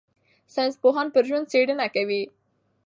ساینسپوهان پر ژوند څېړنه کوي.